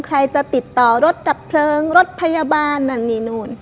ใครจะติดต่อรถดับเพลิงรถพยาบาลนั่นนี่นู่น